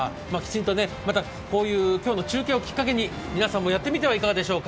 今日の中継をきっかけにまた皆さんもやってみてはいかがでしょうか。